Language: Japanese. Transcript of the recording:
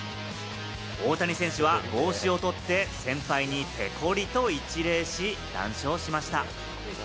大谷選手は帽子を取って先輩にペコリと一礼し、談笑しました。